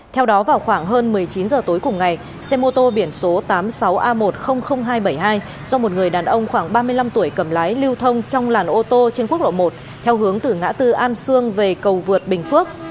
theo đó vào khoảng hơn một mươi chín h tối cùng ngày xe mô tô biển số tám mươi sáu a một trăm linh nghìn hai trăm bảy mươi hai do một người đàn ông khoảng ba mươi năm tuổi cầm lái lưu thông trong làn ô tô trên quốc lộ một theo hướng từ ngã tư an sương về cầu vượt bình phước